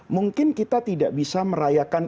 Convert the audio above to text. mungkin kita tidak bisa merayakan